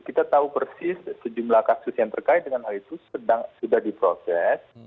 kita tahu persis sejumlah kasus yang terkait dengan hal itu sudah diproses